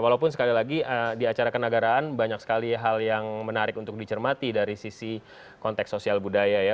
walaupun sekali lagi di acara kenegaraan banyak sekali hal yang menarik untuk dicermati dari sisi konteks sosial budaya ya